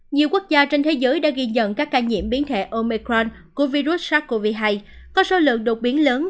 nhiều quốc gia trên thế giới đã ghi nhận các ca nhiễm biến thể omecran của virus sars cov hai có số lượng đột biến lớn